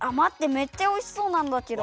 めっちゃおいしそうなんだけど！